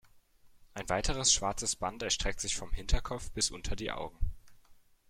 Ein weiteres schwarzes Band erstreckt sich vom Hinterkopf bis unter die Augen.